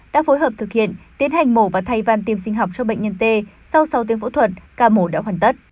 đã phối hợp thực hiện tiến hành mổ và thay van tim sinh học cho bệnh nhân t sau sáu tiếng phẫu thuật ca mổ đã hoàn tất